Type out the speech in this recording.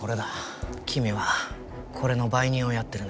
君はこれの売人をやってるね？